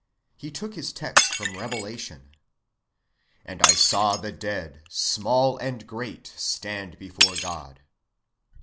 He took his text from Revelation: 'And I saw the dead, small and great, stand before God.